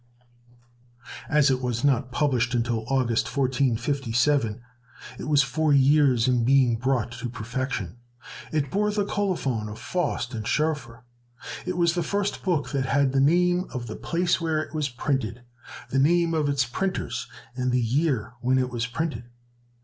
As it was not published until August, 1457, it was four years in being brought to perfection. It bore the colophon of Faust and Schoeffer, and was the first book that had the name of the place where it was printed, the name of its printers, and the year when it was printed.